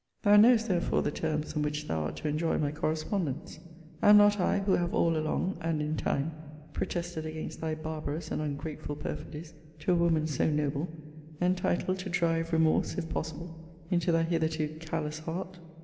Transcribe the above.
Thou knowest therefore the terms on which thou art to enjoy my correspondence. Am not I, who have all along, and in time, protested against thy barbarous and ungrateful perfidies to a woman so noble, entitled to drive remorse, if possible, into thy hitherto callous heart?